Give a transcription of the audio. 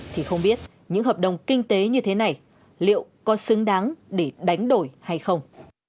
thì không biết những hợp đồng kinh tế như thế này liệu có xứng đáng để đánh đổi hay không